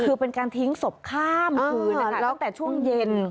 คือเป็นการทิ้งศพข้ามคืนนะคะตั้งแต่ช่วงเย็น